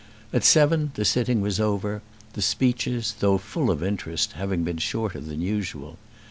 At seven the sitting was over, the speeches, though full of interest, having been shorter than usual.